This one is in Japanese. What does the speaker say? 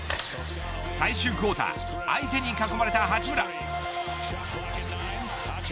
最終クオーター相手に囲まれた八村。